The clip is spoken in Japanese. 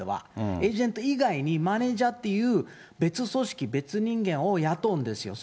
エージェント以外にマネジャーっていう別組織、別人間を雇うんですよ。